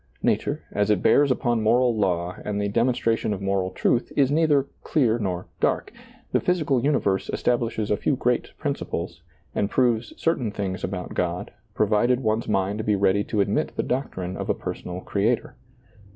Nature, as it bears upon moral law and the demonstration of moral truth, is neither " clear nor dark." The physical universe establishes a few great principles, and proves certain things about God, provided one's mind be ready to admit the doctrine of a personal Creator.